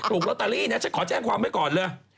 ถูกลอตเตอรี่นะฉันขอแจ้งความไว้ก่อนเลย